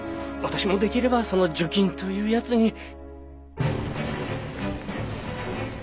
私もできればその助勤というやつに。